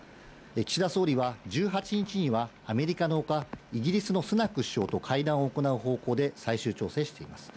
岸田総理は１８日には、アメリカのほか、イギリスのスナク首相と会談を行う方向で最終調整しています。